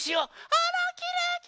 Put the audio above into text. あらきれいきれい！